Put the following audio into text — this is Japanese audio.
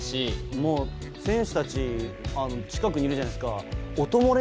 もう選手たち、近くにいるじゃないですか。